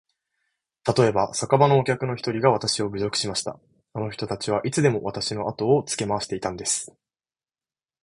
たとえば、酒場のお客の一人がわたしを侮辱しました。あの人たちはいつでもわたしのあとをつけ廻していたんです。